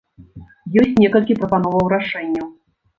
Ёсць некалькі прапановаў рашэнняў.